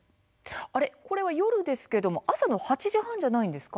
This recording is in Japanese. これは夜ですけけども朝の８時半じゃないんですか。